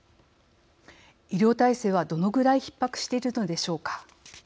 医療体制は、どのぐらいひっ迫しているのでしょうか。